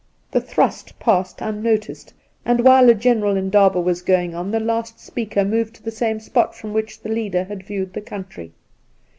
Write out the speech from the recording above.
The thrust passed unnoticed, and while a. general indaha was going on the last speaker moved to the same spot from which the leader had viewed the country.